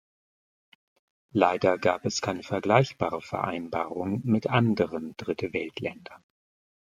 Leider gab es keine vergleichbare Vereinbarung mit anderen Dritte-Welt-Ländern.